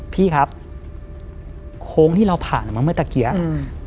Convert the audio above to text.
พี่ครับโค้งที่เราผ่านมาเมื่อตะกี้อืม